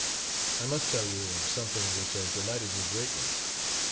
I must tell you of something which has delighted me greatly.